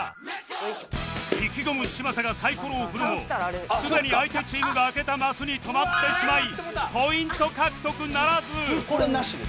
意気込む嶋佐がサイコロを振るもすでに相手チームが開けたマスに止まってしまいポイント獲得ならず